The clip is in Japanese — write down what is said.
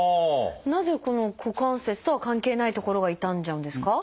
なぜこの股関節とは関係ない所が痛んじゃうんですか？